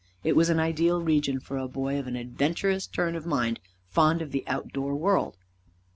It was an ideal region for a boy of an adventurous turn of mind, fond of the outdoor world.